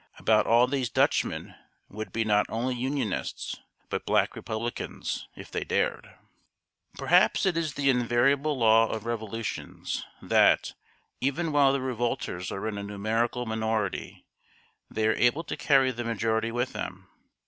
About all these Dutchmen would be not only Unionists, but Black Republicans, if they dared." Perhaps it is the invariable law of revolutions that, even while the revolters are in a numerical minority, they are able to carry the majority with them.